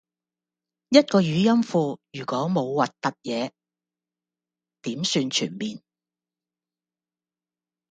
一個語音庫如果冇核突嘢點算全面